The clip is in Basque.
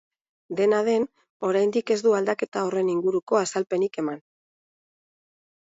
Dena den, oraindik ez du aldaketa horren inguruko azalpenik eman.